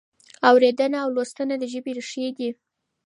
اورېدنه او لوستنه د ژبې ریښې دي.